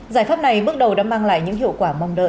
giải pháp này bước đầu đã mang lại những hiệu quả mong đợi